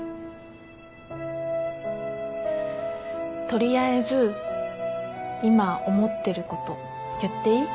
とりあえず今思ってること言っていい？